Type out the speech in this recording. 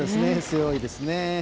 強いですね。